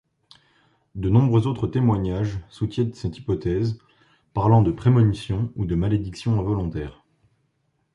De nombreux autres témoignages soutiennent cette hypothèse, parlant de prémonitions, ou de malédictions involontaires.